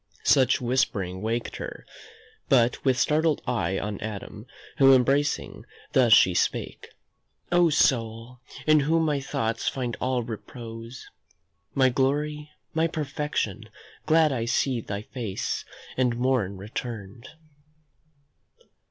Such whispering waked her, but with startled eye On Adam, whom embracing, thus she spake: "O soul! in whom my thoughts find all repose, My glory, my perfection, glad I see Thy face, and morn returned."